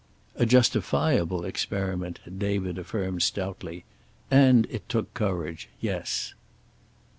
"A justifiable experiment," David affirmed stoutly. "And it took courage. Yes."